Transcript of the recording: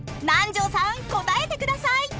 南條さん答えてください！